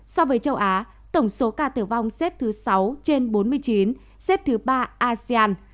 so với châu á tổng số ca tử vong xếp thứ sáu trên bốn mươi chín xếp thứ ba asean